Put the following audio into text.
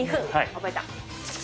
覚えた。